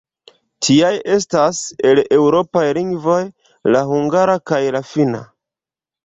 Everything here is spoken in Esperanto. Tiaj estas, el eŭropaj lingvoj, la hungara kaj la finna.